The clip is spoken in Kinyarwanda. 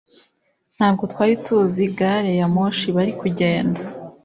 ntabwo twari tuzi gari ya moshi bari kugenda